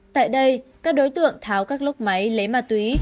tại đây các đối tượng tháo các lúc máy lấy ma túy